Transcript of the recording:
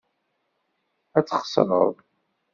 Ad txeṣreḍ.